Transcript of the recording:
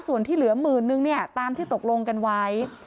ส่วนที่เหลือหมื่นนึงเนี่ยตามที่ตกลงกันไว้